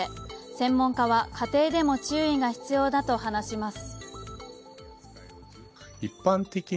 専門家は家庭でも注意が必要だと話します。